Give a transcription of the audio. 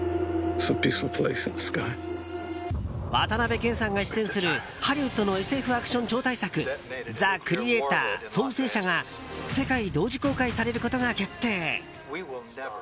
渡辺謙さんが出演するハリウッドのＳＦアクション超大作「ザ・クリエイター／創世者」が世界同時公開されることが決定。